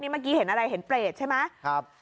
เมื่อกี้เห็นอะไรเห็นเปรตใช่ไหม